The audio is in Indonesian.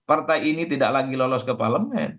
partai ini tidak lagi lolos ke parlemen